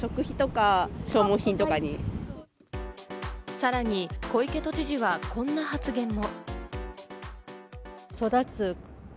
さらに小池都知事はこんな発言も。